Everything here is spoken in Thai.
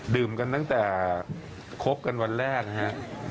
ดื่มกันตั้งแต่คบกันวันแรกนะฮะ